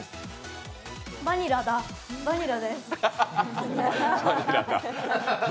バニラだ、バニラです。